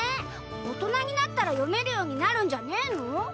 大人になったら読めるようになるんじゃねえの？